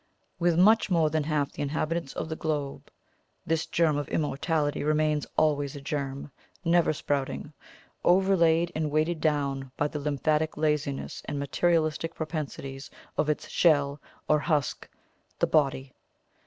With much more than half the inhabitants of the globe, this germ of immortality remains always a germ, never sprouting, overlaid and weighted down by the lymphatic laziness and materialistic propensities of its shell or husk the body.